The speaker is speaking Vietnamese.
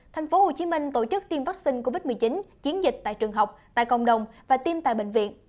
thành phố hồ chí minh tổ chức tiêm vaccine covid một mươi chín chiến dịch tại trường học tại cộng đồng và tiêm tại bệnh viện